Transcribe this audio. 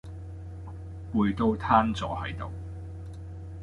攰到攤左係度